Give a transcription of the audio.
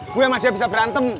gue sama dia bisa berantem